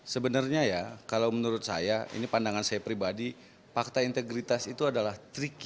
sebenarnya ya kalau menurut saya ini pandangan saya pribadi fakta integritas itu adalah tricky